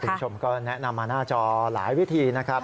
คุณผู้ชมก็แนะนำมาหน้าจอหลายวิธีนะครับ